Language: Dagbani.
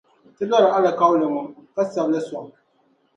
ti lɔri alikauli ŋɔ, ka sabi li sɔŋ.